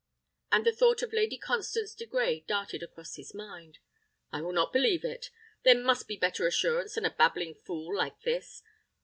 and the thought of Lady Constance de Grey darted across his mind. "I will not believe it; there must be better assurance than a babbling fool like this.